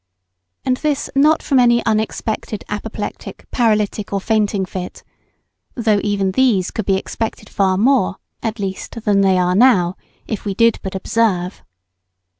And this not from any unexpected apoplectic, paralytic, or fainting fit (though even these could be expected far more, at least, than they are now, if we did but observe).